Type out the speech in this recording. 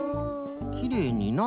きれいにな。